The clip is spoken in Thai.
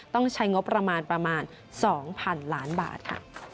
ต้องใช้งบประมาณ๒๐๐๐ล้านบาท